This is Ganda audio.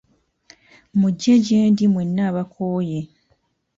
Muje gye ndi mwenna abakooye.